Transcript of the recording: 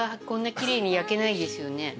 こんな奇麗に焼けないですよね。